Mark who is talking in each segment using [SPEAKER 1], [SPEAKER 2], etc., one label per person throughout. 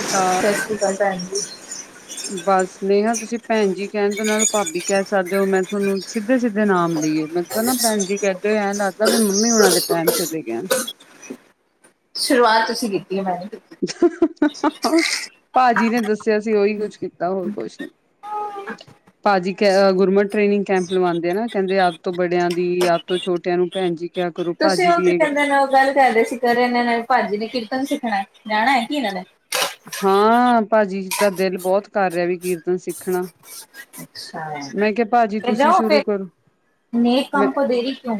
[SPEAKER 1] ਅ
[SPEAKER 2] ਸਾਸਰੀ ਕਾਲ ਭੈਣ ਜੀ।
[SPEAKER 1] ਬਸ ਮੈਹਾ, ਤੁਸੀਂ ਭੈਣ ਜੀ ਕਹਿਣ ਦੇ ਨਾਲ ਭਾਬੀ ਕਹਿ ਸਕਦੇ ਓ, ਮੈਂ ਤੁਹਾਨੂੰ ਸਿੱਧੇ-ਸਿੱਧੇ ਨਾਮ ਲਈਏ ਮੈਂ ਤੇ ਨਾ, ਭੈਣ ਜੀ ਕਹਿਦੇ ਐਂ ਲੱਗਦਾ, ਮੰਮੀ ਹੁਣਾ ਦੇ ਟਾਈਮ ਚਲੇ ਗ‌ਏ ਆ ਅਸੀਂ।
[SPEAKER 2] ਸ਼ੁਰੂਆਤ ਤੁਸੀਂ ਕੀਤੀ ਏ, ਮੈਂ ਨੀ ਕੀਤੀ।
[SPEAKER 1] ਭਾਜੀ ਨੇ ਦੱਸਿਆ ਸੀ, ਉਹੀ ਕੁਛ ਕੀਤਾ ਹੋਰ ਕੁਛ ਨੀ।
[SPEAKER 2] [inaudible]
[SPEAKER 1] ਭਾਜੀ ਕ ਗੁਰਮਟ ਟ੍ਰੇਨਿੰਗ ਕੈਂਪ ਲਵਾਉਂਦੇ ਆ ਨਾ, ਕਹਿੰਦੇ ਆਪ ਤੋਂ ਬੜਿਆਂ ਦੀ, ਆਪ ਤੋਂ ਛੋਟਿਆਂ ਨੂੰ ਭੈਣ ਜੀ ਕਿਆ ਕਰੋ
[SPEAKER 2] ਤੁਸੀਂ
[SPEAKER 1] ਭਾਜੀ
[SPEAKER 2] ਉਹ
[SPEAKER 1] ਦੀ
[SPEAKER 2] ਕੀ
[SPEAKER 1] ਇਹ ਗੱਲ
[SPEAKER 2] ਕਹਿੰਦੇ ਨੇ, ਉਹ ਗੱਲ ਕਰਦੇ ਸੀ ਫੇਰ ਇਹਨਾਂ ਨੇ, ਭਾਜੀ ਨੇ ਕੀਰਤਨ ਸਿੱਖਣਾ, ਜਾਣਾਂ ਐ ਕੀ ਇਹਨਾਂ ਨੇ?
[SPEAKER 1] ਹਾਂ, ਭਾਜੀ ਤਾਂ ਦਿਲ ਬਹੁਤ ਕਰ ਰਿਹਾ ਵੀ ਕੀਰਤਨ ਸਿੱਖਣਾ।
[SPEAKER 2] ਅੱਛਾ
[SPEAKER 1] ਮੈਂ ਕਿਹਾ ਭਾਜੀ
[SPEAKER 2] ਤੇ
[SPEAKER 1] ਤੁਸੀਂ
[SPEAKER 2] ਜਾਓ
[SPEAKER 1] ਸ਼ੁਰੂ
[SPEAKER 2] ਫਿਰ
[SPEAKER 1] ਕਰੋ,
[SPEAKER 2] ਨੇਕ
[SPEAKER 1] ਮੈਂ
[SPEAKER 2] ਕੰਮ ਕੋ ਦੇਰੀ ਕਿਉਂ?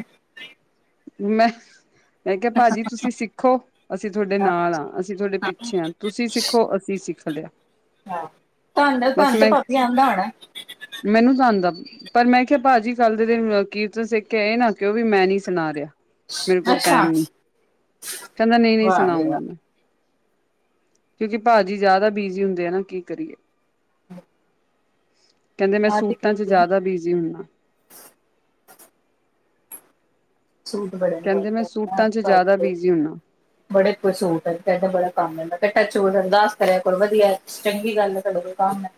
[SPEAKER 1] ਮੈਂ-ਮੈਂ ਕਿਹਾ ਭਾਜੀ ਤੁਸੀਂ ਸਿੱਖੋ, ਅਸੀਂ ਤੁਹਾਡੇ ਨਾਲ ਆਂ। ਅਸੀਂ ਤੁਹਾਡੇ ਪਿੱਛੇ ਆਂ, ਤੁਸੀਂ ਸਿੱਖੋ ਅਸੀਂ ਸਿੱਖ ਲਿਆ।
[SPEAKER 2] ਧੰਨ
[SPEAKER 1] ਬਸ
[SPEAKER 2] ਧਾਨੂੰ ਤੇ
[SPEAKER 1] ਮੈਂ
[SPEAKER 2] ਭਾਬੀ ਆਂਦਾ ਹੋਣਾ।
[SPEAKER 1] ਮੈਨੂੰ ਤਾਂ ਆਉਂਦਾ, ਪਰ ਮੈਂ ਕਿਹਾ ਭਾਜੀ ਕੱਲ ਦੇ ਦਿਨ ਕੀਰਤਨ ਸਿੱਖ ਕੇ ਇਹ ਨਾ ਕਿਓ ਵੀ ਮੈਂ ਨੀ ਸੁਣਾ ਰਿਆ। ਮੇਰੇ ਕੋਲ ਟੈਮ
[SPEAKER 2] ਅੱਛਾ।
[SPEAKER 1] ਨੀ, ਕਹਿੰਦਾ ਨਹੀਂ-ਨਹੀਂ
[SPEAKER 2] ਵਾਹ ਬਈ
[SPEAKER 1] ਸੁਣਾਉਂਗਾ ਮੈਂ।
[SPEAKER 2] ਵਾਹ।
[SPEAKER 1] ਕਿਉਂਕਿ ਭਾਜੀ ਜ਼ਿਆਦਾ ਬੀਜੀ ਹੁੰਦੇ ਆ ਨਾ ਕੀ ਕਰੀਏ।
[SPEAKER 2] ਹੂੰ।
[SPEAKER 1] ਕਹਿੰਦੇ ਮੈਂ ਸੂਟਾਂ 'ਚ ਜ਼ਿਆਦਾ ਬੀਜੀ ਹੁੰਨਾ।
[SPEAKER 2] ਸੂਟ ਬੜੇ ਨੇ।
[SPEAKER 1] ਕਹਿੰਦੇ ਮੈਂ ਸੂਟਾਂ ਚ ਜ਼ਿਆਦਾ
[SPEAKER 2] [unintelligible]
[SPEAKER 1] ਬਿਜ਼ੀ ਹੁੰਨਾ
[SPEAKER 2] ਬੜੇ ਕੁ ਸੂਟ ਕਹਿੰਦਾ ਬੜਾ ਕੰਮ ਆਂਦਾ, ਟੱਚ ਅਰਦਾਸ ਕਰਿਆ ਕਰੋ, ਵਧੀਆ ਚੰਗੀ ਗੱਲ ਏ, ਤੁਹਾਡੇ ਕੋ ਕੰਮ ਐ।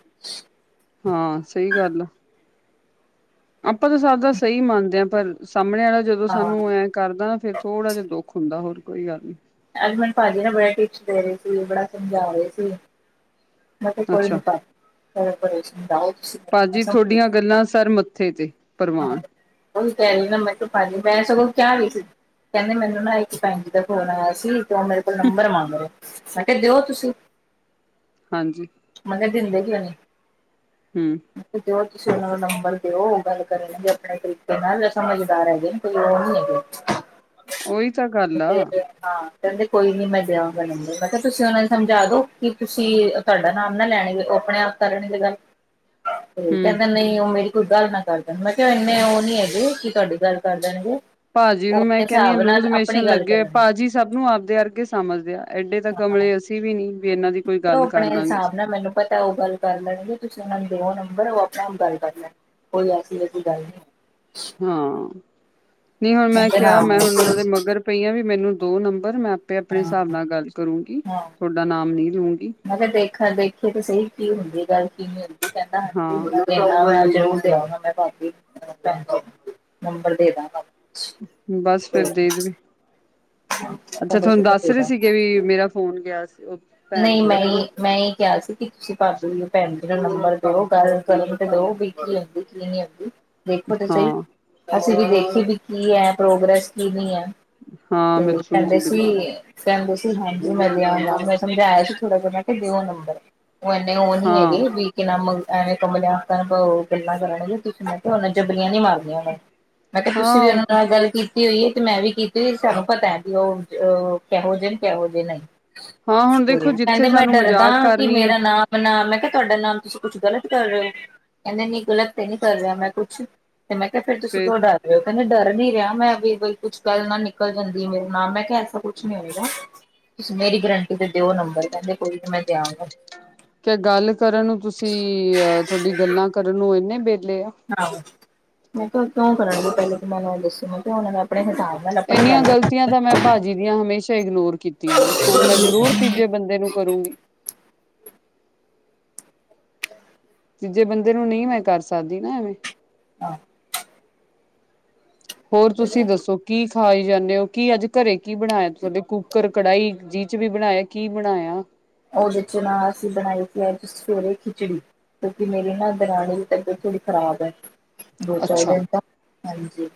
[SPEAKER 1] ਹਾਂ, ਸਹੀ ਗੱਲ ਆ। ਆਪਾਂ ਤਾਂ ਸਭ ਦਾ ਸਹੀ ਮੰਨਦੇ ਆ, ਪਰ ਸਾਹਮਣੇ ਵਾਲਾ ਜਦੋਂ
[SPEAKER 2] ਹਾਂ
[SPEAKER 1] ਸਾਨੂੰ ਐ ਕਰਦਾ ਨਾ, ਫੇਰ ਥੋੜਾ ਜਿਹਾ ਦੁੱਖ ਹੁੰਦਾ ਹੋਰ ਕੋਈ ਗੱਲ ਨੀ।
[SPEAKER 2] ਅੱਜ ਮੈਨੂੰ ਭਾਜੀ ਨੇ ਬੜੇ ਟਿਪਸ ਦੇ ਰਹੇ ਸੀ, ਬੜਾ ਸਮਝਾ ਰਹੇ ਸੀ ਮੈਂ ਕਿਹਾ ਕੋਈ
[SPEAKER 1] ਅੱਛਾ,
[SPEAKER 2] ਨੀ ਭਾਜੀ ਸਮਝਾਓ ਤੁਸੀਂ
[SPEAKER 1] ਭਾਜੀ
[SPEAKER 2] ਮੈਨੂੰ।
[SPEAKER 1] ਤੁਹਾਡੀਆਂ ਗੱਲਾਂ ਸਰ ਮੱਥੇ ਤੇ। ਪਰਵਾਨ
[SPEAKER 2] ਉਹੀ ਕਹਿ ਰਹੀ ਨਾ ਮੈਂਨੂੰ ਭਾਜੀ ਮੈਂ ਸਗੋਂ ਕਿਆ ਵੀ ਸੀ। ਕਹਿੰਦੇ ਮੈਨੂੰ ਨਾ ਇੱਕ ਭੈਣ ਜੀ ਦਾ ਫੋਨ ਆਇਆ ਸੀ ਤੇ ਉਹ ਮੇਰੇ ਕੋਲ ਨੰਬਰ ਮੰਗ ਰਹੇ ਮੈ ਕਿਹਾ ਦਿਓ ਤੁਸੀਂ।
[SPEAKER 1] ਹਾਂਜੀ
[SPEAKER 2] ਮੈਂ ਕਿਹਾ ਦਿੰਦੇ ਕਿਉ ਨਹੀਂ।
[SPEAKER 1] ਹਮ
[SPEAKER 2] ਦਿਓ ਤੁਸੀਂ ਉਹਨਾਂ ਦਾ ਨੰਬਰ ਦਿਓ ਗੱਲ ਕਰਨਗੇ ਆਪਣੇ ਤਰੀਕੇ ਨਾਲ ਇਹ ਸਮਝਦਾਰ ਹੈਗੇ।
[SPEAKER 1] ਉਹੀ ਤਾਂ ਗੱਲ ਆ
[SPEAKER 2] [unintelligible] ਹਾਂ ਕਹਿੰਦੇ ਕੋਈ ਨੀ ਮੈਂ ਸੇਵਾ ਕਰਦਾ ਦਾਂਗਾ ਮੈਂ ਕਿਹਾ ਤੁਸੀਂ ਉਹਨਾਂ ਨੂੰ ਸਮਝਾ ਦੋ ਕਿ ਤੁਸੀਂ। ਤੁਹਾਡਾ ਨਾਮ ਨਾ ਲੈਣਗੇ ਉਹ ਆਪਣੇ ਆਪ ਕਰਗੇ ਗੱਲ ਤੇ
[SPEAKER 1] ਹੂੰ
[SPEAKER 2] ਕਹਿੰਦੇ ਨਹੀਂ ਉਹ ਮੇਰੀ ਕੋਈ ਗੱਲ ਨਾ। ਕਰ ਦੇਣ ਮੈਂ ਕਿਹਾ ਇੰਨੇ ਉਹ ਨੀ ਹੈਗੇ ਕੀ ਤੁਹਾਡੀ ਗੱਲ ਕਰ ਦੇਣਗੇੇ।
[SPEAKER 1] ਭਾਜੀੀ ਨੂੰ ਮੈਂ ਕਹਿੰਦੀ ਹਾਂ ਲੂਜ਼ ਮੋਸ਼ਸ਼ਨ ਲੱਗੇ
[SPEAKER 2] ਕਰਨਗੇ
[SPEAKER 1] ਭਾਜੀ। ਸਭ ਨੂੰ ਆਪਦੇ ਅਰਗੇ ਸਮਝਦੇ ਆ ਐਡੇ ਤਾਂ
[SPEAKER 2] ਹਾਂ
[SPEAKER 1] ਕਮਲੇ ਅਸੀਂ ਵੀ ਨੀ ਵੀ ਇਹਨਾਂ ਦੀ ਕੋਈ
[SPEAKER 2] ਤੇ ਉਹ
[SPEAKER 1] ਗੱਲ
[SPEAKER 2] ਆਪਣੇ
[SPEAKER 1] ਕਰਦਾਂਗੇ
[SPEAKER 2] ਹਿਸਾਬ
[SPEAKER 1] ਅਸੀਂ
[SPEAKER 2] ਨਾਲ ਮੈਨੂੰ ਪਤਾ ਉਹ ਗੱਲ ਕਰ ਲੈਣਗੇ ਤੁਸੀਂ ਉਹਨਾਂ ਨੂੰ ਦੋਵੋ ਨੰਬਰ ਉਹ ਆਪਣੇ ਆਪ ਗੱਲ ਕਰ ਲੈਣ ਕੋਈ ਐਸੀ ਵੈਸੀ ਗੱਲ ਨਹੀਂ।
[SPEAKER 1] ਹਾਂ ਨਹੀਂ ਹੁਣ ਮੈਂ
[SPEAKER 2] ਕਹਿੰਦੇ ਹਾਂ
[SPEAKER 1] ਕਿਹਾ ਮੈਂ ਹੁਣ ਉਹਨਾਂ ਦੇ ਮਗਰ ਪਈ ਹਾਂ ਵੀ ਮੈਨੂੰ ਦਿਓ ਨੰਬਰ ਮੈਂ ਤੇ ਆਪਣੇ
[SPEAKER 2] ਹਾਂ
[SPEAKER 1] ਹਿਸਾਬ ਨਾਲ ਗੱਲ ਕਰੂੰਗੀ
[SPEAKER 2] ਹਾਂ
[SPEAKER 1] ਤੁਹਾਡਾ ਨਾਮ ਨੀ ਲਊਗੀ।
[SPEAKER 2] ਮੈਂ ਕਿਹਾ ਦੇਖਾਂ ਦੇਖੀਏ ਤਾਂ ਸਹੀ ਕੀ ਹੁੰਦੀ ਹੈ ਗੱਲ ਕਿ ਨੀ ਹੁੰਦੀ ਕਹਿੰਦਾ ਹਾਂਜੀ।
[SPEAKER 1] ਹਾਂ
[SPEAKER 2] ਜ਼ਰੂਰ ਮੈਂ ਨੰਬਰ ਦੇ ਦ [unintelligible]
[SPEAKER 1] ਬਸ ਫੇਰ ਦੇ ਦੇਵੇ।
[SPEAKER 2] [unintelligible]
[SPEAKER 1] ਅੱਛਾ
[SPEAKER 2] ਸੀ
[SPEAKER 1] ਤੁਹਾਨੂੰ
[SPEAKER 2] ਮੈਂ
[SPEAKER 1] ਦੱਸ
[SPEAKER 2] ਦੇ
[SPEAKER 1] ਰਹੇ
[SPEAKER 2] ਦਾਂਗਾ
[SPEAKER 1] ਸੀਗੇ ਵੀ ਮੇਰਾ ਫੋਨ ਗਿਆ ਸੀ ਓਕੇ।
[SPEAKER 2] ਨਹੀਂ -ਨਹੀਂ। ਮੈਂ ਇਹ ਕਿਹਾ ਸੀ ਕਿ ਤੁਸੀਂ ਭੈਣ ਜੀ ਦਾ ਨੰਬਰ ਦਓ ਗੱਲ [inaudible] ਆ ਲੈ ਇੱਕ ਵੀ ਨੀ ਹੁੰਦੀ। ਦੇਖੋ ਤੇ ਸਹੀ
[SPEAKER 1] ਹਾਂ
[SPEAKER 2] ਅਸੀਂ ਵੀ ਦੇਖੀਏ ਵੀ ਕੀ ਹੈ ਪ੍ਰੋਗਰੈਸ ਕਿ ਨਹੀ ਹੈ।
[SPEAKER 1] ਹਾਂ
[SPEAKER 2] ਤੇ
[SPEAKER 1] ਬਿਲਕੁਲ
[SPEAKER 2] ਕਹਿੰਦੇ
[SPEAKER 1] ਜੀ
[SPEAKER 2] ਸੀ।
[SPEAKER 1] ਬਿਲਕੁਲ
[SPEAKER 2] ਕਹਿੰਦੇ ਸੀ ਹਾਂਜੀ ਮੈਂ ਦਿਆਂਗਾ ਮੈਂ ਸਮਝਾਇਆ ਸੀ ਥੋੜਾ ਜਿਹਾ ਨਾ ਦਿਓ ਨੰਬਰ। ਉਹਨੇ ਇਨੇ ਉਹ ਨਹੀ
[SPEAKER 1] ਹਾਂ
[SPEAKER 2] ਹੈਗੇ ਵੀ ਕਿੰਨਾ ਐਵੇਂ ਕਮਲਿਆ ਦੀ ਤਰਾਂ ਗੱਲਾਂ ਕਰਨਗੇ ਤੁਸੀਂ ਮੈਂ ਕਿਹਾ ਉਹ ਜਬਲੀਆਂ ਨੀ ਮਾਰਨੀਆਂ। ਮੈਂ ਕਿਹਾ ਤੁਸੀਂ
[SPEAKER 1] ਹਾਂ
[SPEAKER 2] ਵੀ
[SPEAKER 1] ਉਹ
[SPEAKER 2] ਉਹਨਾਂ
[SPEAKER 1] ਤਾਂ
[SPEAKER 2] ਨਾਲ ਗੱਲ ਕੀਤੀ। ਕੀਤੀ ਹੋਈ ਹੈ ਤੇ ਮੈਂ ਵੀ ਕੀਤੀ ਹੋਈ ਸਾਨੂੰ ਪਤਾ ਹੈ ਵੀ ਉਹ ਕਿਹੋ ਜਿਹੇ ਕਿਹੋ ਜਿਹੇ ਨਹੀਂ।
[SPEAKER 1] ਹਾਂ ਹੁਣ ਦੇਖੋ ਜਿੱਥੇ
[SPEAKER 2] ਕਹਿੰਦੇ ਮੈਂ
[SPEAKER 1] ਸਾਨੂੰ
[SPEAKER 2] ਡਰਦਾ
[SPEAKER 1] ਮਜ਼ਾਕ
[SPEAKER 2] ਕਿ
[SPEAKER 1] ਕਰਨੀ ਆ
[SPEAKER 2] ਮੇਰਾ ਨਾਂ। ਬਦਨਾਮ ਮੈਂ ਕਿਹਾ ਤੁਹਾਡਾ ਨਾਮ ਤੁਸੀਂ ਕੁਛ ਗ਼ਲਤ ਕਰ ਰਹੇ ਹੋ ਕਹਿੰਦੇ ਨੀ ਗ਼ਲਤ ਤੇ ਨੀ ਕਰ ਰਿਹਾ ਮੈਂ ਕੁਛ ਤੇ ਫਿਰ ਮੈਂ ਕਿਹਾ ਫਿਰ ਤੁਸੀਂ
[SPEAKER 1] ਫੇਰ
[SPEAKER 2] ਕਿਉਂ ਡਰ ਉਹ ਕਹਿੰਦੇ ਡਰ ਨੀ ਰਿਹਾ ਮੈਂ ਬਈ ਕੁਛ ਕੱਲ ਨਾ ਨਿਕਲ ਜਾਂਦੀ ਮੇਰੇ ਨਾਲ ਮੈਂ ਕਿਹਾ ਐਸਾ ਕੁਛ ਨੀ ਹੋਏ। ਤੁਸੀਂ ਮੇਰੀ ਗਰੰਟੀ ਤੇ ਦਿਓ ਨੰਬਰ ਕਹਿੰਦੇ ਕੋਈ ਨਹੀਂ ਮੈਂ ਦਿਆਂਗਾ।
[SPEAKER 1] ਕਿ ਗੱਲ ਕਰਨ ਨੂੰ ਤੁਸੀਂ ਅ ਤੁਹਾਡੀ ਗੱਲਾਂ ਕਰਨ ਨੂੰ ਇੰਨੇ ਵਿਹਲੇ ਹੋ।
[SPEAKER 2] ਆਹੋ ਮੈਂ ਕਿਹਾ ਕਿਉਂ ਕਰਾਂਗੇ ਪਹਿਲੇ ਤੁਸੀਂ ਮੈਨੂੰ ਇਹ ਦੱਸੋ ਮੈਂ ਕਿਹਾ ਮੈਂ ਆਪਣੇ ਹਿਸਾਬ। ਨਾਲ ਆਪਣੀ
[SPEAKER 1] ਇੰਨੀਆਂ
[SPEAKER 2] ਗੱਲ
[SPEAKER 1] ਗਲਤੀਆਂ ਤਾਂ ਮੈਂ ਭਾਜੀ ਦੀਆਂ ਹਮੇਸ਼ਾ ਇਗਨੋਰ ਕੀਤੀਆ। ਕੀਤੀਆਂ ਨੇ ਹੁਣ ਮੈਂ ਜ਼ਰੂਰ ਤੀਜੇ ਬੰਦੇ ਨੂੰ ਕਰੂੰਗੀ। ਤੀਜੇ ਬੰਦੇ ਨੂੰ ਨਹੀਂ ਮੈਂ ਕਰ ਸਕਦੀ ਨਾ ਐਵੇਂ।
[SPEAKER 2] ਹਾਂ
[SPEAKER 1] ਹੋਰ ਤੁਸੀਂ ਦੱਸੋ? ਕੀ ਖਾਈ ਜਾਂਦੇ ਹੋ ਕੀ ਅੱਜ ਘਰੇ ਕੀ ਬਣਾਇਆ ਤੁਹਾਡੇ ਕੁੱਕਰ ਕੜਾਹੀ ਜਿਹਦੇ ਚ ਵੀ ਬਣਾਇਆ ਕੀ ਬਣਾਇਆ।
[SPEAKER 2] ਉਹਦੇ ਚ ਨਾ, ਅਸੀਂ ਬਣਾਈ ਸੀ ਸਵੇਰੇ ਖਿਚੜੀ। ਕਿਉਂਕਿ ਮੇਰੀ ਨਾ ਦਰਾਣੀ ਦੀ ਤਬੀਅਤ ਥੋੜੀ ਖਰਾਬ ਹੈ। ਦੋ ਚਾਰ
[SPEAKER 1] ਅੱਛਾ
[SPEAKER 2] ਦਿਨ ਦਾ ਹਾਂਜੀ,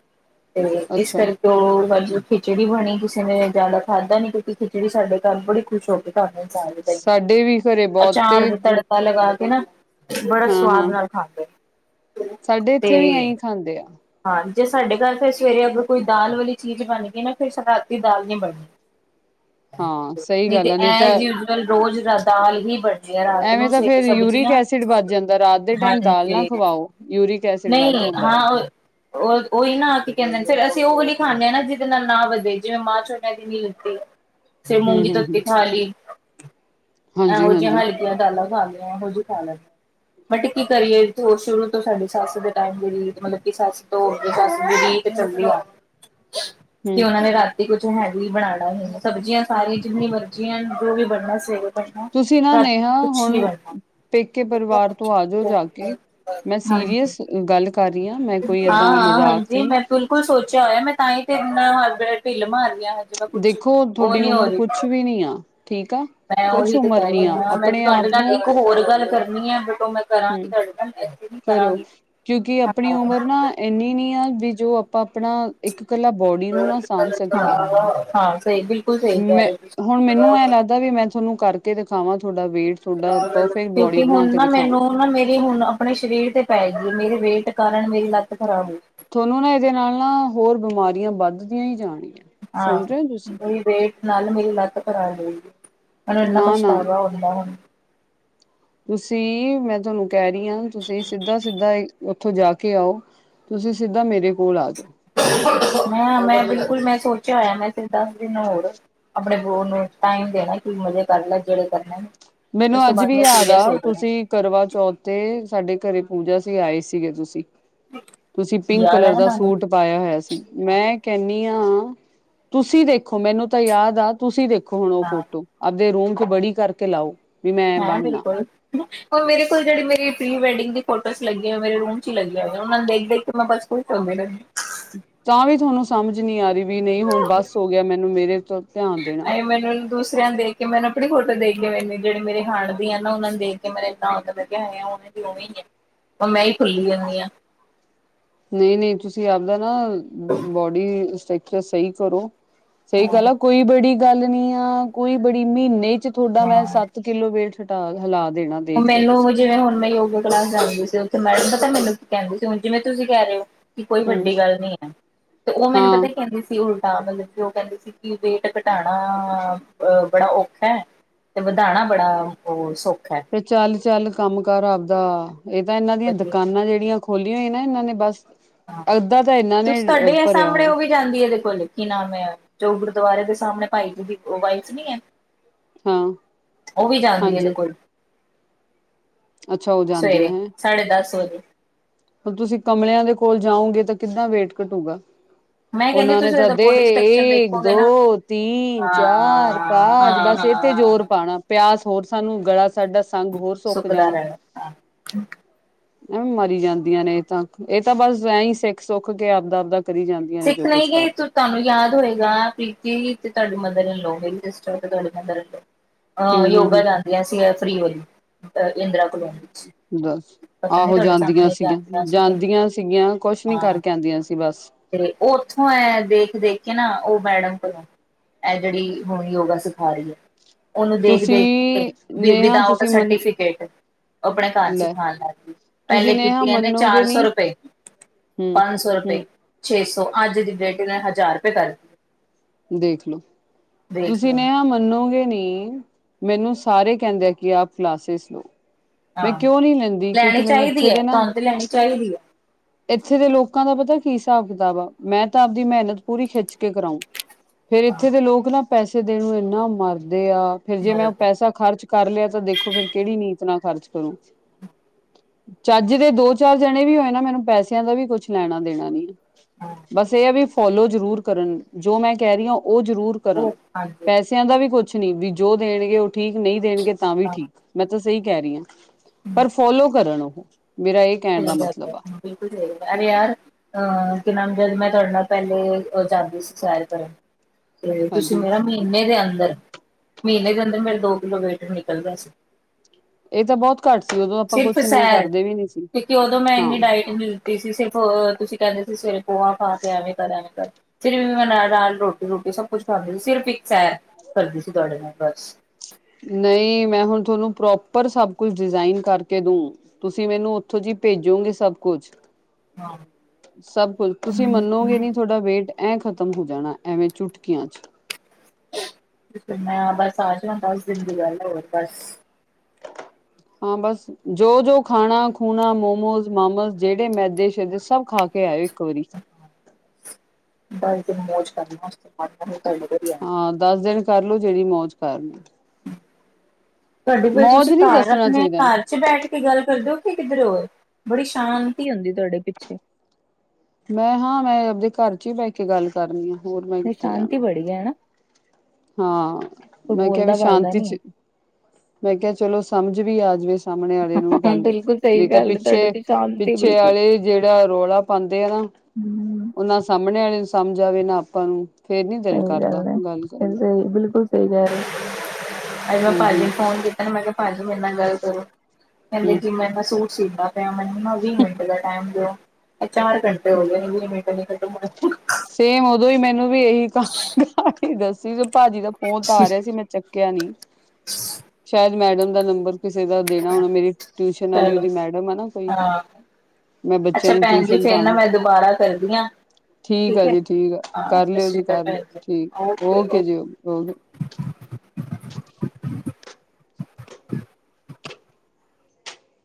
[SPEAKER 2] ਤੇ ਇਸ
[SPEAKER 1] ਅੱਛਾ
[SPEAKER 2] ਕਰਕੇ। ਲੋ, ਹਾਂਜੀ, ਅੱਜ ਖਿਚੜੀ ਬਣੀ, ਕਿਸੇ ਨੇ ਜ਼ਿਆਦਾ ਖਾਧਾ ਨੀ, ਕਿਉਂਕਿ ਖਿਚੜੀ ਸਾਡੇ ਘਰ ਬੜੇ ਖੁਸ਼ ਹੋ ਕੇ ਖਾਂਦੇ ਨ ਸਾਰੇ। ਦਹੀਂ
[SPEAKER 1] ਸਾਡੇ ਵੀ ਘਰੇ ਬਹੁਤ
[SPEAKER 2] ਅਚਾਰ
[SPEAKER 1] ਤੇ
[SPEAKER 2] ਨੂੰ ਤੜਕਾ ਲਗਾ ਕੇ ਨਾ ਬੜਾ
[SPEAKER 1] ਹਾਂ
[SPEAKER 2] ਸਵਾਦ
[SPEAKER 1] ਹਾਂ
[SPEAKER 2] ਨਾਲ ਖਾਂਦੇ।
[SPEAKER 1] ਸਾਡੇ
[SPEAKER 2] ਤੇ
[SPEAKER 1] ਇੱਥੇ ਵੀ ਐਈ ਖਾਂਦੇ ਆ।
[SPEAKER 2] ਹਾਂ, ਜੇ ਸਾਡੇ ਘਰ ਫਿਰ ਸਵੇਰੇ ਅਗਰ ਕੋਈ ਦਾਲ ਵਾਲੀ ਚੀਜ਼ ਬਣ ਗਈ ਨਾ ਫਿਰ ਰਾਤੀ ਦਾਲ ਨਹੀਂੀ ਬਣੀ।
[SPEAKER 1] ਹਾਂ ਸਹੀ
[SPEAKER 2] ਨਹੀਂ
[SPEAKER 1] ਗੱਲ
[SPEAKER 2] ਤੇ,
[SPEAKER 1] ਆ
[SPEAKER 2] ਐਜ
[SPEAKER 1] ਤਾਂ
[SPEAKER 2] ਯੂਜਅਲ ਰੋਜ਼ ਦਾਲ ਹੀ ਬਣ। ਯਾ ਰਾਤ
[SPEAKER 1] ਐਵੇਂ
[SPEAKER 2] ਨੂੰ
[SPEAKER 1] ਤਾਂ
[SPEAKER 2] ਸੇ
[SPEAKER 1] ਫੇਰ ਯੂਰਿਕ
[SPEAKER 2] ਸਬਜ਼ੀਆਂ
[SPEAKER 1] ਐਸਿਡ ਵੱਧ ਜਾਂਦਾ ਰਾਤ ਦੇ ਟਾਈਮ ਦਾਲ ਨਾ
[SPEAKER 2] ਹਾਂਜੀ।
[SPEAKER 1] ਖਵਾਓ ਯੂਰਿਕ ਐਸਿਡ ਵੱਧ
[SPEAKER 2] ਨਹੀਂ,
[SPEAKER 1] ਜਾਂਦਾ ਆ
[SPEAKER 2] ਹਾਂ ਉਹ, ਉਹੀ ਨਾ, ਕੀ ਕਹਿੰਦੇ? ਸਿਰ ਅਸੀਂ ਉਹ ਵਲੀ ਖਾਂਦੇ ਹ ਨਾ ਜਿਹਦੇ ਨਾਲ ਨਾ ਵਧੇ ਜਿਵੇਂ ਮਾਂ ਛੋਲਿਆ ਦੀ ਨੀ ਦੀ। ਫਿਰ
[SPEAKER 1] ਹੂੰ
[SPEAKER 2] ਮੂੰਗੀ
[SPEAKER 1] ਹੂੰ
[SPEAKER 2] ਧੋਤੀ
[SPEAKER 1] ਹੂੰ
[SPEAKER 2] ਖਾਲੀ
[SPEAKER 1] ਹਾਂਜੀ
[SPEAKER 2] ਐਹੋ ਜਿਹੀਆ
[SPEAKER 1] ਹਾਂਜੀ
[SPEAKER 2] ਹਾ। [inaudible] ਗਾਲਾਂ ਖਾ ਲੀਆਂ ਇਹੋ ਜਿਹੀ ਖਾ ਲੈ। ਬਟ ਕੀ ਕਰੀਏ, ਸ਼ੁਰੂ ਤੋਂ ਸਾਡੀ ਸੱਸ ਦੇ ਟਾਈਮ ਜਿਹੜੀਏ ਮਤਲਬ ਕਿ ਸੱਸ। ਸੱਸ ਨੇ ਰੀਤ ਚਲੀ ਆ,
[SPEAKER 1] ਹੂੰ
[SPEAKER 2] ਉਹਨਾਂ ਨੇ ਰਾਤੀ। ਤੇ ਕੁਛ ਹੈਵੀ ਬਣਾਉਣਾ ਹੀ, ਸਬਜ਼ੀਆਂ ਸਾਰੀ ਜਿੰਨੀ ਮਰਜ਼ੀਆਂ ਜੋ ਵੀ ਬਣਨਾ ਸੇਵ।
[SPEAKER 1] ਤੁਸੀਂ ਨਾ ਨੇਹਾ
[SPEAKER 2] ਕੁਛ ਨ
[SPEAKER 1] ਹੁਣ ਪੇਕੇ
[SPEAKER 2] ਬਣਨਾ।
[SPEAKER 1] ਪਰਿਵਾਰ ਤੋਂ ਆ ਜਾਓ ਜਾ ਕੇ ਮੈਂ
[SPEAKER 2] ਹਾਂਜੀ।
[SPEAKER 1] ਸੀਰੀਅਸ ਗੱਲ ਕਰ ਰਹੀ ਹਾਂ ਮੈਂ ਕੋਈ ਏਦਾਂ ਮਜ਼ਾਕ ਚ ਨਹੀਂ।
[SPEAKER 2] ਕੁਝ ਸੋਚਿਆ ਹੋਇਆ, ਮੈਂ ਤਾਂ ਹੀ ਤਾਂ ਇਨ੍ਹਾਂ ਡੀਲ ਮਾਰਦੀ ਆ।
[SPEAKER 1] ਦੇਖੋ, ਤੁਹਾਡੀ ਉਮਰ ਕੁਛ ਵੀ ਨੀ ਆ, ਠੀਕ ਆ।
[SPEAKER 2] ਮੈਂ
[SPEAKER 1] ਕੁਛ
[SPEAKER 2] ਉਹੀ ਤ
[SPEAKER 1] ਉਮਰ
[SPEAKER 2] ਕਹਿ
[SPEAKER 1] ਨੀ
[SPEAKER 2] ਰਹੀ
[SPEAKER 1] ਆ
[SPEAKER 2] ਹਾ, ਮੈਂ
[SPEAKER 1] ਆਪਣੇ
[SPEAKER 2] ਤੁਹਾਡੇ
[SPEAKER 1] ਆਪ
[SPEAKER 2] ਨਾਲ
[SPEAKER 1] ਨੂੰ
[SPEAKER 2] ਇੱਕ ਹੋਰ ਗੱਲ ਕਰਨੀ ਹੈ, ਬਟ ਓ ਮੈਂ। ਕਰਾਂਗੇ
[SPEAKER 1] ਹੂੰ
[SPEAKER 2] ਤੁਹਾਡੇ ਐਸੇ ਵੀ
[SPEAKER 1] ਕਰੋ
[SPEAKER 2] ਕਰਾਂਗੀ।
[SPEAKER 1] ਕਿਉਂਕਿ ਆਪਣੀ ਉਮਰ ਨਾ ਇੰਨੀ ਨਹੀਂ ਆ ਵੀ, ਜੋ ਆਪਾਂ ਆਪਣਾ ਇੱਕ ਕੱਲਾ ਬੋਡੀ ਨੂੰ ਨਾ ਸਾਂਭ ਸਕੀਏ।
[SPEAKER 2] ਹਾਂ, ਸਹੀ ਬਿਲਕੁਲ। ਸਹੀ ਕਹਿ
[SPEAKER 1] ਮੈਂ,
[SPEAKER 2] ਰਹੇ ਤੁਸੀਂ
[SPEAKER 1] ਹੁਣ ਮੈਨੂੰ ਐ ਲੱਗਦਾ ਵੀ, ਮੈਂ ਤੁਹਾਨੂੰ ਕਰਕੇ ਦਿਖਾਵਾਂ ਤੁਹਾਡਾ ਵੇਟ। ਤੁਹਾਡਾ ਪਰਫੈਕਟ ਬੋਡੀ
[SPEAKER 2] ਕਿਉਂਕਿ
[SPEAKER 1] ਬਣਾ
[SPEAKER 2] ਹੁਣ
[SPEAKER 1] ਕੇ
[SPEAKER 2] ਨਾ
[SPEAKER 1] ਦਿਖਾਵਾਂ
[SPEAKER 2] ਮੈਨੂੰ ਨਾ ਮੇਰੀ ਹੁਣ। ਆਪਣੇ ਸਰੀਰ ਤੇ ਪੈ ਗੀਏ, ਮੇਰੇ ਵੇਟ ਕਾਰਨ ਮੇਰੀ ਲੱਤ ਖਰਾਬ ਹੋਈ।
[SPEAKER 1] ਤੁਹਾਨੂੰ ਨਾ, ਇਹਦੇ ਨਾਲ ਨਾ, ਹੋਰ ਬਿਮਾਰੀਆਂ ਵੱਧਦੀਆਂ ਹੀ ਜਾਣੀਆਂ।
[SPEAKER 2] ਆ ਹੋਈ ਵੇਟ ਨਾਲ ਮੇਰੀ ਲੱਤ ਕਰਾ ਲਈ। ਪਰ ਇੰਨਾ
[SPEAKER 1] ਨਾ ਨਾ
[SPEAKER 2] ਪਛਤਾਵਾ ਹੋੁੰਦਾ ਹੁਣ।
[SPEAKER 1] ਤੁਸੀਂ, ਮੈਂ ਤੁਹਾਨੂੰ ਕਹਿ ਰਹੀ ਹਾਂ, ਤੁਸੀਂ ਸਿੱਧਾ ਸਿੱਧਾ ਉੱਥੋਂ ਜਾ ਕੇ ਆਓ। ਤੁਸੀਂ ਸਿੱਧਾ ਮੇਰੇ ਕੋਲ ਆ ਜਾਓ।
[SPEAKER 2] ਮੈਂ, ਮੈਂ ਬਿਲਕੁਲ, ਮੈਂ ਸੋਚਿਆ ਹੋਇਆ, ਮੈਂ ਤੇ ਦੱਸ ਦਿਨ ਹੋਰ ਆਪਣੇ ਬੋ ਨੂੰ ਟਾਈਮ ਦੇਣਾ ਕਿ ਮਜ਼ੇ ਕਰ ਲੈ ਜਿਹੜੇ ਕਰਨੇਨ।
[SPEAKER 1] ਮੈਨੂੰ, ਅੱਜ ਵੀ ਯਾਦ ਆ ਤੁਸੀਂ। ਕਰਵਾ ਚੌਥ ਤੇ, ਸਾਡੇ ਘਰੇ ਪੂਜਾ ਸੀ, ਆਏ ਸੀਗੇ ਤੁਸੀਂ। ਤੁਸੀਂ ਪਿੰਕ
[SPEAKER 2] ਯਾਦ ਹੈ
[SPEAKER 1] ਕਲਰ
[SPEAKER 2] ਨਾ
[SPEAKER 1] ਦਾ
[SPEAKER 2] ਤੁਹਾਨੂੰ
[SPEAKER 1] ਸੂਟ ਪਾਇਆ ਹੋਇਆ ਸੀ ਮੈਂ ਕਹਿੰਦੀ ਹਾਂ, ਤੁਸੀਂ ਦੇਖੋ, ਮੈਨੂੰ ਤਾਂ ਯਾਦ ਆ। ਤੁਸੀਂ ਦੇਖੋ, ਹੁਣ ਉਹ ਫੋਟੋ,
[SPEAKER 2] ਹਾਂ
[SPEAKER 1] ਆਪਦੇ ਰੂਮ ਚ ਬੜੀ ਕਰਕੇ ਲਾਓ। ਵੀ ਮੈਂ
[SPEAKER 2] ਹੈਂ
[SPEAKER 1] ਬਣਨਾ
[SPEAKER 2] ਬਿਲਕੁਲ। ਓ ਮੇਰੇ ਕੋਲ ਜਿਹੜੀ ਮੇਰੀ ਪ੍ਰੀ ਵੈਡਿੰਗ ਦੀ ਫੋਟੋਜ਼ ਲੱਗੀ ਆ, ਮੇਰੇ ਰੂਮ ਚ ਲੱਗੀਆ ਹੋਈਆਂ, ਉਹਨਾਂ ਨੂੰ ਦੇਖ ਦੇਖ ਕੇ ਮੈਂ ਬਸ ਕੋਈ ਕਮੀ ਨਹੀਂ।
[SPEAKER 1] ਤਾਂ ਵੀ ਤੁਹਾਨੂੰ ਸਮਝ ਨੀ ਆ ਰਹੀ, ਵੀ ਨਹੀਂ ਹੁਣ ਬਸ ਹੋ ਗਿਆ, ਮੈਨੂੰ ਮੇਰੇ ਤੋਂ ਧਿਆਨ ਦੇਣਾ।
[SPEAKER 2] ਅ ਮੈਨੂੰ ਦੂਸਰਿਆਂ ਨੂੰ ਦੇਖ ਕੇ, ਮੈਨੂੰ ਆਪਣੀ ਫੋਟੋ ਦੇਖ ਕੇ, ਮੈਨੂੰ ਜਿਹੜੇ ਮੇਰੇ ਹਾਨ ਦੀਆ ਨਾ, ਉਹਨਾਂ ਨੂੰ ਦੇਖ ਕੇ ਮੈ ਇੰਦਾ ਕ [inaudible] ਹੋਇਆ। ਉਵੇਂ ਨੇ ਮੈਂ ਹੀ ਖੁੱਲੀ ਜਾਂਦੀ ਹਾਂ।
[SPEAKER 1] ਨਹੀਂ ਨਹੀਂ ਤੁਸੀਂ ਆਪਦਾ ਨਾ ਬੋਡੀ ਸਟਕਚਰ ਸਹੀ ਕਰੋ। ਸਹੀ ਗੱਲ ਆ ਕੋਈ ਬੜੀ ਗੱਲ ਨੀ ਆ, ਕੋਈ ਬੜੀ ਮਹੀਨੇ ਚ ਤੁਹਾਡਾ ਮੈਂ
[SPEAKER 2] ਹਾਂ
[SPEAKER 1] ਸੱਤ ਕਿੱਲੋ ਵੇਟ ਘਟਾ ਹਿਲਾ ਦੇਣਾ। ਦੇਖ ਲਓ ਤੁਸੀਂ
[SPEAKER 2] ਮੈਨੂੰ ਜਿਵੇਂ ਹੁਣ ਮੈਂ ਯੋਗਾ ਕਲਾਸ ਜਾਂਦੀ ਸੀ। ਉੱਥੇ ਮੈਡਮ ਪਤਾ ਮੈਨੂੰ ਕਹਿੰਦੀ ਸੀ। ਜਿਵੇਂ ਤੁਸੀਂ ਕਹਿ ਰਹੇ ਹੋ। ਕੋਈ
[SPEAKER 1] ਹੂੰ
[SPEAKER 2] ਵੱਡੀ ਗੱਲ ਨਹੀਂ ਹੈ, ਤੇ ਉਹ ਮੈਨੂੰ
[SPEAKER 1] ਹਾਂ
[SPEAKER 2] ਪਤਾ ਕਹਿੰਦੀ ਸੀ। ਤਾਂ ਮਤਲਬ ਕਿ ਉਹ ਕਹਿੰਦੇ ਸੀ, ਕਿ ਵੇਟ ਘਟਾਣਾ ਅ ਬੜਾ ਔਖਾ ਹੈ। ਤੇ ਵਧਾਉਣਾ ਬੜਾ ਉਹ ਸੌਖਾ।
[SPEAKER 1] ਫ ਚੱਲ- ਚੱਲ, ਕੰਮ ਕਾਰ ਆਪਦਾ ਇਹ ਤਾਂ ਇਹਨਾਂ ਦੀਆਂ ਦੁਕਾਨਾਂ ਜਿਹੜੀਆਂ। ਖੋਲੀਆਂ ਹੋਈ ਨਾ ਇਹਨਾਂ ਨੇ ਬਸ
[SPEAKER 2] ਹਾਂ
[SPEAKER 1] ਅੱਧਾ ਤਾਂ ਇਹਨਾਂ ਨੇ
[SPEAKER 2] ਤੁਸੀ ਤੁਹਾਡੇ
[SPEAKER 1] ਭਰਿਆ
[SPEAKER 2] ਸਾਹਮਣੇ
[SPEAKER 1] ਹੋ।
[SPEAKER 2] ਉਹ ਵੀ ਜਾਂਦੀ ਇਹਦੇ ਕੋਲ ਕੀ ਨਾਮ ਹੈ ਜੋ ਗੁਰਦੁਆਰੇ ਦੇ ਸਾਹਮਣੇ ਭਾਈ ਜੀ ਦੀ ਉਹ ਵਾਈਫ ਨੀ ਹੈ।
[SPEAKER 1] ਹਾਂ
[SPEAKER 2] ਉਹ ਵੀ ਜਾਂਦੀ ਇਹਦੇ
[SPEAKER 1] ਹਾਂਜੀ
[SPEAKER 2] ਕੋਲ।
[SPEAKER 1] ਅੱਛਾ ਉਹ ਜਾਂਦੀਆਂ
[SPEAKER 2] ਸਵੇਰੇ
[SPEAKER 1] ਹੈ।
[SPEAKER 2] ਸਾਢੇ ਦਸ ਵਜੇ।
[SPEAKER 1] ਤੁਸੀਂ ਕਮਲਿਆਂ ਦੇ ਕੋਲ ਜਾਓਗੇ ਤਾਂ ਕਿੱਦਾਂ ਵੇਟ ਘਟੂਗਾ।
[SPEAKER 2] ਮੈਂ ਕਹਿੰਦੀ
[SPEAKER 1] ਉਹਨਾਂ ਨੇ
[SPEAKER 2] ਤੁਸੀਂ
[SPEAKER 1] ਤਾਂ
[SPEAKER 2] ਇਹਦਾ
[SPEAKER 1] ਦੇ
[SPEAKER 2] ਬੋਡੀ ਸਟਰਕਚਰ
[SPEAKER 1] ਏਕ,
[SPEAKER 2] ਦੇਖੋਗੇ ਨਾ
[SPEAKER 1] ਦੋ, ਤੀਨ,
[SPEAKER 2] ਹਾਂ
[SPEAKER 1] ਚਾਰ, ਪਾਂਚ
[SPEAKER 2] ਹਾਂ
[SPEAKER 1] ਬਸ।
[SPEAKER 2] ਹਾਂ
[SPEAKER 1] ਸੇ ਤੇ
[SPEAKER 2] ਹਾਂ
[SPEAKER 1] ਜ਼ੋਰ ਪਾਉਣਾ ਪਿਆਸ ਹੋਰ ਸਾਨੂੰ ਗਲਾ ਸਾਡਾ‌। ਸੰਗ ਹੋਰ ਸੁੱਕ
[SPEAKER 2] ਸੁੱਖ ਦਾ
[SPEAKER 1] ਜਾਣਾ।
[SPEAKER 2] ਰਹਿਣਾ ਹਾਂ।
[SPEAKER 1] ਐ ਮਰੀ ਜਾਂਦੀਆਂ ਨੇ ਇਹ ਤਾਂ, ਇਹ ਤਾਂ ਬਸ ਐਹੀ ਸਿੱਖ ਸੁਖ ਕੇ ਆਪਦਾ- ਆਪਦਾ। ਕਰੀ ਜਾਂਦੀਆਂ ਨੇ
[SPEAKER 2] ਸਿੱਖ
[SPEAKER 1] ਜੋ ਕੁੱਝ
[SPEAKER 2] ਨਹੀਂ ਗਿਆ ਤੋ।
[SPEAKER 1] ਕਰਦੀ
[SPEAKER 2] ਤੁਹਾਨੂੰ ਯਾਦ ਹੋਏਗਾ ਪ੍ਰੀਤੀ ਜੀ, ਤੇ ਤੁਹਾਡੀ ਮਦਰ ਇਨਲਓ ਮੇਰੀ ਸਿਸਟਰ ਤੇ ਤੁਹਾਡੀ ਮਦਰ ਇਨਲਓ। ਅ
[SPEAKER 1] ਹੂੰ ਹੂੰ ਹੂੰ
[SPEAKER 2] ਯੋਗਾ ਲਾਦੀਆਂ ਸੀਗਾ ਫ੍ਰਰੀ ਉਹ ਵੀ ਇੰਦਰਾ ਕਲੋਨੀ ਵਿੱਚ।
[SPEAKER 1] ਬੱਸ
[SPEAKER 2] ਪਤਾ ਨੀ
[SPEAKER 1] ਆਹੋ
[SPEAKER 2] ਤੁਹਾਡੇ
[SPEAKER 1] ਜਾਂਦੀਆਂ
[SPEAKER 2] ਸਾਹਮਣੇ
[SPEAKER 1] ਸੀਗੀਆਂ,
[SPEAKER 2] ਜਾਂਦੀਆਂ ਸੀ ਕਿ
[SPEAKER 1] ਜਾਂਦੀਆਂ
[SPEAKER 2] ਨਹੀਂ
[SPEAKER 1] ਸੀਗੀਆਂ, ਕੁਛ ਨੀ
[SPEAKER 2] ਹਾਂ
[SPEAKER 1] ਕਰਕੇ ਆਉਂਦੀਆਂ ਸੀ ਬਸ।
[SPEAKER 2] ਤੇ ਉਹ ਉੱਥੋਂ ਹੈ ਦੇਖ- ਦੇਖ ਕੇ ਨਾ ਉਹ ਮੈਡਮ ਕੋਲੋਂ। ਇਹ ਜਿਹੜੀ ਹੁਣ ਯੋਗਾ ਸਿਖਾ ਰਹੀ ਹੈ। ਉਹਨੂੰ ਦੇਖ- ਦੇਖ ਕੇ
[SPEAKER 1] ਤੁਸੀਂ
[SPEAKER 2] ਵਿਦ
[SPEAKER 1] ਨੇਹਾ
[SPEAKER 2] ਵਿਦਾਟ
[SPEAKER 1] ਤੁਸੀਂ ਮਨ
[SPEAKER 2] ਸਰਟੀਫਿਕੇਟ। ਉਹ ਆਪਣੇ ਘਰ ਸ
[SPEAKER 1] ਲੈ
[SPEAKER 2] ਖਾਣ ਲੱਗ ਗਈ, ਪਹਿਲੇ
[SPEAKER 1] ਤੁਸੀਂ ਨੇਹਾ
[SPEAKER 2] ਕੀਤੀ ਇਹਨੇ
[SPEAKER 1] ਮੰਨੋਗੇ
[SPEAKER 2] ਚਾਰ ਸੌ
[SPEAKER 1] ਨੀ
[SPEAKER 2] ਰੁਪਏ।
[SPEAKER 1] ਹਮ
[SPEAKER 2] ਪੰਜ ਸੌ ਰੁਪਏ,
[SPEAKER 1] ਹਮ
[SPEAKER 2] ਛੇ ਸੌ ਅੱਜ ਦੀ ਬੇਟੀ ਨੇ ਹਜ਼ਾਰ ਰੁਪਏ ਕਰ ਦਿੱਤਾ।
[SPEAKER 1] ਦੇਖਲੋ ਤੁਸੀਂ ਨਹਾ ਮੰਨੋਗੇ ਨਹੀਂ। ਮੈਨੂੰ ਸਾਰੇ ਕਹਿੰਦੇ ਆ ਕਿ, ਆਪ ਕਲਾਸਿਸ ਲਓ। ਮੈਂ
[SPEAKER 2] ਹਾਂ
[SPEAKER 1] ਕਿਉਂ ਨੀ ਲੈਂਦੀ,
[SPEAKER 2] ਲੈਣੀ
[SPEAKER 1] ਕਿਉਂਕਿ ਮੈਨੂੰ
[SPEAKER 2] ਚਾਹੀਦੀ
[SPEAKER 1] ਇੱਥੇ
[SPEAKER 2] ਹੈ
[SPEAKER 1] ਦੇ ਨਾ।
[SPEAKER 2] ਤੁਹਾਨੂੰ ਤੇ ਲੈਣੀ ਚਾਹੀਦੀ ਹੈ
[SPEAKER 1] ਇੱਥੇ ਦੇ ਲੋਕਾਂ ਦਾ ਪਤਾ ਕੀ ਹਿਸਾਬ ਕਿਤਾਬ ਆ, ਮੈਂ ਤਾਂ ਆਪਦੀ ਮਿਹਨਤ ਪੂਰੀ ਖਿੱਚ ਕੇ ਕਰਾਉ‌। ਫੇਰ
[SPEAKER 2] ਹਾਂ
[SPEAKER 1] ਇੱਥੇ ਦੇ ਲੋਕ ਨਾ ਪੈਸੇ ਦੇਣ ਨੂੰ ਇੰਨਾ ਮਰਦੇ ਆ, ਫੇਰ ਜੇ ਮੈਂ ਉਹ
[SPEAKER 2] ਮਦਦ
[SPEAKER 1] ਪੈਸਾ। ਖਰਚ ਕਰ ਲਿਆ ਤਾਂ ਦੇਖੋ ਫਿਰ, ਕਿਹੜੀ ਨੀਤ ਨਾਲ ਖਰਚ ਕਰੋ। ਚੱਜ ਦੇ ਦੋ ਚਾਰ ਜਣੇ ਵੀ ਹੋਏ ਨਾ, ਮੈਨੂੰ ਪੈਸਿਆਂ ਦਾ ਵੀ ਕੁਛ ਲੈਣਾ ਦੇਣਾ ਨੀ ਆ।
[SPEAKER 2] ਹਾਂ
[SPEAKER 1] ਬਸ ਇਹ ਹੈ ਵੀ ਫੋਲੋ ਜ਼ਰੂਰ ਕਰਨ, ਜੋ ਮੈਂ ਕਹਿ ਰਹੀ ਹਾਂ ਉਹ ਜ਼ਰੂਰ ਕਰਨ
[SPEAKER 2] ਉਹ ਹਾਂਜੀ
[SPEAKER 1] ਪੈਸਿਆਂ ਦਾ ਵੀ ਕੁਛ ਨੀ, ਵੀ ਜੋ ਦੇਣਗੇ ਉਹ ਠੀਕ ਨਹੀਂ ਦੇਣਗੇ ਤਾਂ ਵੀ
[SPEAKER 2] ਹਾਂ
[SPEAKER 1] ਠੀਕ। ਮੈਂ ਤਾਂ ਸਹੀ ਕਹਿ ਰਹੀ ਹਾਂ, ਪਰ ਫੋਲੋ ਕਰਨ ਉਹ ਮੇਰਾ ਇੱਕ।
[SPEAKER 2] ਸਹੀ ਗੱਲ ਆ। ਬਿਲਕੁਲ ਸਹੀ ਅਰੇ, ਯਾਰ ਅਹ ਕਿ ਨਾਮ ਜਦ ਮੈਂ ਤੁਹਾਡੇ ਨਾਲ ਪਹਿਲੇ, ਜਾਂਦੀ ਸੀ ਸੈਰ ਕਰਨ। ਤੇ ਤੁਸੀਂ
[SPEAKER 1] ਹਾਂਜੀ
[SPEAKER 2] ਮੇਰਾ ਮ। ਮਹੀਨੇ ਦੇ ਅੰਦਰ ਮਹੀਨੇ ਦੇ ਅੰਦਰ, ਮੇਰਾ ਦੋ ਕਿਲੋਮੀਟਰ ਨਿਕਲਦਾ ਸੀ।
[SPEAKER 1] ਇਹ ਤਾਂ ਬਹੁਤ ਘੱਟ ਸੀ, ਉਦੋਂ ਆਪਾਂ
[SPEAKER 2] ਸਿਰਫ
[SPEAKER 1] ਕੁਛ ਇੰਨਾ
[SPEAKER 2] ਸੈਰ
[SPEAKER 1] ਕਰਦੇ ਵੀ ਨੀ ਸੀ।
[SPEAKER 2] ਕਿਉਂਕਿ ਉਦੋਂ ਮੈਂ ਇੰਨੀ
[SPEAKER 1] ਹਾਂ
[SPEAKER 2] ਡਾਇਟ ਨੀ ਲਤੀ ਸੀ, ਸਿਰਫ ਤੁਸੀਂ ਕਹਿੰਦੇ ਸੀ ਸਿਰਫ। ਗੋਹਾ ਪਾ ਕੇ ਐਵੇਂ ਕਰ ਐਵੇਂ ਕਰ। ਫਿਰ ਵੀ ਮੈਂ ਨਾਲ-ਨਾਲ, ਰੋਟੀ- ਰੁੱਟੀ ਸਭ ਕੁੱਛ ਖਾਂਦੀ ਸੀ ਸਿਰਫ ਇੱਕ ਸੈਰ ਕਰਦੀ ਸੀ ਤੁਹਾਡੇ ਨਾਲ ਬਸ।
[SPEAKER 1] ਨਹੀਂ ਮੈਂ ਹੁਣ ਤੁਹਾਨੂੰ ਪ੍ਰੋਪਰ ਸਭ ਕੁਛ ਡਿਜ਼ਾਇਨ ਕਰਕੇ ਦਊ। ਤੁਸੀਂ ਮੈਨੂੰ ਉੱਥੋਂ ਜੀ ਭੇਜੋਗੇ ਸਭ ਕੁਛ।
[SPEAKER 2] ਹਾਂ।
[SPEAKER 1] ਸਭ ਕੁਝ ਤੁਸੀਂ ਮੰਨੋਗੇ ਨੀ ਥੋਡਾ ਵੇਟ ਐਂ ਖ਼ਤਮ ਹੋ ਜਾਣਾ ਐਵੇਂ ਚੁਟਕੀਆਂ ਚ।
[SPEAKER 2] ਮੈਂ ਬਸ ਆ ਜਾ ਦੱਸ ਦਿਨ ਦੀ ਗੱਲ ਆ ਹੋਰ ਬਸ।
[SPEAKER 1] ਹਾਂ ਬਸ। ਜੋ ਜੋ ਖਾਣਾ-ਖੂਣਾ, ਮੋਮੋਸ-ਮਾਮੋਸ ਜਿਹੜੇ ਮੈਦੇ- ਸ਼ੈਦੇ ਸਭ ਖਾ ਕੇ ਆਇਓ ਇੱਕ ਵਾਰੀ।
[SPEAKER 2] [inaudible]
[SPEAKER 1] ਹਾਂ ਦਸ ਦਿਨ ਕਰਲੋ ਜਿਹੜੀ ਮੌਜ ਕਰਨੀ।
[SPEAKER 2] ਤੁਹਾਡੀ ਫਿਰ
[SPEAKER 1] ਮੌਜ
[SPEAKER 2] ਤੁਸੀਂ
[SPEAKER 1] ਨਹੀਂ
[SPEAKER 2] ਘਰ
[SPEAKER 1] ਦੱਸਣਾ
[SPEAKER 2] ਰੱਖਣੇ
[SPEAKER 1] ਚਾਹੀਦਾ
[SPEAKER 2] ਆ ਘਰ। ਬੈਠ ਕੇ ਗੱਲ ਕਰਦੇ ਓ ਕਿ ਕਿੱਧਰੇ ਹੋਰ ਬੜੀ ਸ਼ਾਂਤੀ ਹੁੰਦੀ ਤੁਹਾਡੇ ਪਿੱਛੇ।
[SPEAKER 1] ਮੈਂ ਹਾਂ ਮੈਂ ਆਪਦੇ ਘਰ ਚ ਹੀ ਬਹਿ ਕੇ ਗੱਲ ਕਰਨੀ ਹੋਰ ਮੈਂ
[SPEAKER 2] ਨਹੀਂ
[SPEAKER 1] ਕਿੱਥੇ ਜਾਣਾ।
[SPEAKER 2] [unintelligible] ਨਾ।
[SPEAKER 1] ਹਾਂ,
[SPEAKER 2] ਕੋਈ
[SPEAKER 1] ਮੈਂ ਕਿਹਾ ਵੀ
[SPEAKER 2] ਬੋਲਦਾ ਬਾਲਦਾ
[SPEAKER 1] ਸ਼ਾਂਤੀ
[SPEAKER 2] ਨੀ
[SPEAKER 1] ਚ
[SPEAKER 2] ਹੈ
[SPEAKER 1] ਮੈਂ ਕਿਹਾ ਚਲੋ ਸਮਝ ਵੀ ਆ ਜਾਵੇ ਸਾਹਮਣੇ ਆਲੇ ਨੂੰ ਗੱਲ।
[SPEAKER 2] ਬਿਲਕੁਲ
[SPEAKER 1] ਨਹੀਂ
[SPEAKER 2] ਸਹੀ
[SPEAKER 1] ਤਾਂ
[SPEAKER 2] ਗੱਲ ਹੈ, ਤੁਹਾਡੇ
[SPEAKER 1] ਪਿੱਛੇ
[SPEAKER 2] ਤੇ ਸ਼ਾਂਤੀ
[SPEAKER 1] ਪਿੱਛੇ
[SPEAKER 2] ਬਿਲਕੁਲ
[SPEAKER 1] ਆਲੇ, ਜਿਹੜਾ ਰੌਲਾ ਪਾਂਦੇ ਆ ਨਾ
[SPEAKER 2] ਹੂੰ,
[SPEAKER 1] ਉਹ ਨਾਂ ਸਾਹਮਣੇ ਆਲੇ ਨੂੰ ਸਮਝ ਆਵੇ ਨਾ ਆਪਾਂ ਨੂੰ। ਫੇਰ ਨੀ ਦਿਲ
[SPEAKER 2] ਸਹੀ
[SPEAKER 1] ਕਰਦਾ
[SPEAKER 2] ਗੱਲ
[SPEAKER 1] ਕਰਨ
[SPEAKER 2] ਐ
[SPEAKER 1] ਦਾ
[SPEAKER 2] ਸਹੀ ਬਿਲਕੁਲ ਸਹੀ ਕਹਿ ਰਹੇ ਓ। ਅੱਜ ਮੈਂ ਭਾਜੀ
[SPEAKER 1] ਹਾਂਜੀ
[SPEAKER 2] ਨੂੰ ਫੋਨ ਕੀਤਾ ਨਾ ਮੈਂ ਕਿਹਾ ਭਾਜੀ ਮੇਰੇ ਨਾਲ ਗੱਲ ਕਰੋ ਕਹਿੰਦੇ
[SPEAKER 1] ਹਮ
[SPEAKER 2] ਜੀ ਮੈਂ ਸੂਟ ਸੀਤਾ ਪਿਆ ਮੈਨੂੰ ਨਾ ਵੀਹ ਮਿੰਟ ਦਾ ਟਾਈਮ ਦਿਓ ਚਾਰ ਘੰਟੇ ਹੋ ਗਏ ਵੀਹ ਮਿੰਟ [unintelligible]
[SPEAKER 1] ਸੇਮ ਉਦੋਂ ਹੀ ਮੈਨੂੰ ਵੀ ਇਹੀ ਕ ਕਹਾਣੀ ਦੱਸੀ ਸੀ ਭਾਜੀ ਦਾ ਫੋਨ ਤਾਂ ਆ ਰਿਹਾ ਸੀ ਮੈਂ ਚੱਕਿਆ ਨੀ ਸ਼ਾਇਦ ਮੈਡਮ ਦਾ ਨੰਬਰ ਕਿਸੇ ਦਾ ਦੇਣਾ ਹੁਣ ਮੇਰੀ ਟਿਊਸ਼ਨ ਆਲੀ
[SPEAKER 2] ਚਲੋ
[SPEAKER 1] ਉਹਦੀ ਮੈਡਮ ਆ ਨਾ ਕੋਈ।
[SPEAKER 2] ਹਾਂ।
[SPEAKER 1] ਮੈਂ ਬੱਚਿਆਂ
[SPEAKER 2] ਅੱਛਾ
[SPEAKER 1] ਨੂੰ
[SPEAKER 2] ਭੈਣ ਜੀ
[SPEAKER 1] ਟਿਊਸ਼ਨ
[SPEAKER 2] ਫੇਰ ਨਾ
[SPEAKER 1] ਪਾਣਾ।
[SPEAKER 2] ਮੈਂ ਦੁਬਾਰਾ ਕਰਦੀ ਆ ਠੀਕ ਆ
[SPEAKER 1] ਜੀ
[SPEAKER 2] ਹਾਂ
[SPEAKER 1] ਕਰ
[SPEAKER 2] ਸਤਿ
[SPEAKER 1] ਲਿਓ
[SPEAKER 2] ਸ਼੍ਰੀ
[SPEAKER 1] ਜੀ
[SPEAKER 2] ਅਕਾਲ
[SPEAKER 1] ਕਰ
[SPEAKER 2] ਭੈਣ
[SPEAKER 1] ਲਿਓ ਠੀਕ
[SPEAKER 2] ਜੀ ਓਕੇ।
[SPEAKER 1] ਜੀ ਓਕੇ